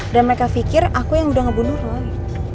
dan mereka pikir aku yang udah ngebunuh roy